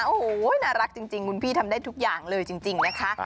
โอ้โหน่ารักจริงคุณพี่ทำได้ทุกอย่างเลยจริงนะคะ